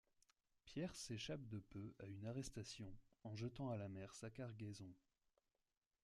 Pierce échappe de peu à une arrestation en jetant à la mer sa cargaison.